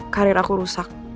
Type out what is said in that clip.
karir aku rusak